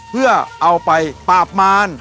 เพื่อเอาไปปราบมาร